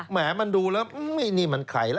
แหมมันดูแล้วนี่มันใครล่ะ